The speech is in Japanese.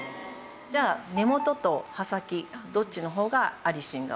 じゃあ根元と葉先どっちの方がアリシンが多いだろうか？